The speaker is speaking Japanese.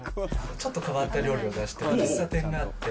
ちょっと変わった料理を出してる喫茶店があって。